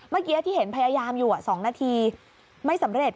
เมื่อกี้ที่เห็นพยายามอยู่๒นาทีไม่สำเร็จ